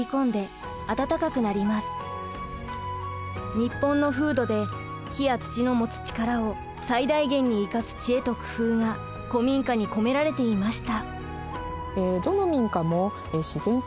日本の風土で木や土の持つ力を最大限に生かす知恵と工夫が古民家に込められていました。